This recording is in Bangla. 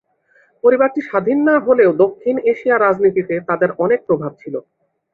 পরিবারটি স্বাধীন না হলেও দক্ষিণ এশিয়ার রাজনীতিতে তাদের অনেক প্রভাব ছিলো।